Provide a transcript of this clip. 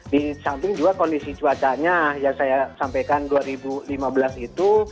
di samping juga kondisi cuacanya yang saya sampaikan dua ribu lima belas itu